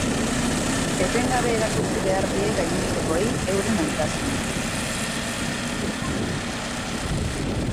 Etengabe erakutsi behar die gainontzekoei euren maitasuna.